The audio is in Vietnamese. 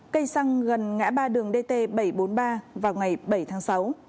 cây xăng gần ngã ba đường dt bảy trăm bốn mươi ba vào ngày bảy tháng sáu